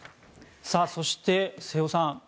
そして、瀬尾さん